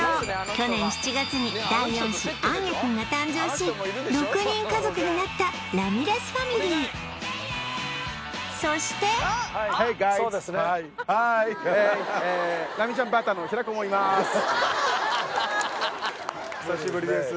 去年７月に第４子杏気君が誕生し６人家族になったラミレスファミリーそしてハーイヘイヘーイ久しぶりです